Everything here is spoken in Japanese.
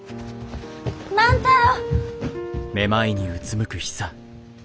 万太郎！